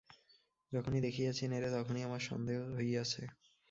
যখনই দেখিয়াছি নেড়ে, তখনই আমার সন্দেহ হইয়াছে।